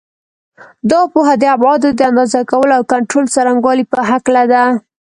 دا پوهه د ابعادو د اندازه کولو او کنټرول څرنګوالي په هکله ده.